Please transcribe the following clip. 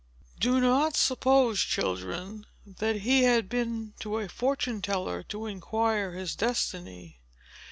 Do not suppose, children, that he had been to a fortune teller to inquire his destiny.